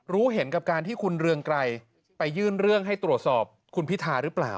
รู้เห็นกับการที่คุณเรืองไกรไปยื่นเรื่องให้ตรวจสอบคุณพิธาหรือเปล่า